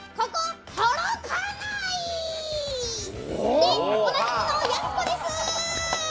で、おなじみのやす子です。